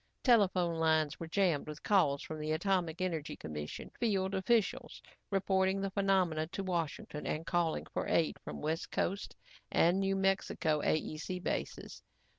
Telephone lines were jammed with calls from Atomic Energy Commission field officials reporting the phenomena to Washington and calling for aid from West Coast and New Mexico AEC bases.